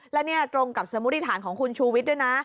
และนี่ตรงกับสมมุติฐานของคุณชูวิทย์ด้วยนะ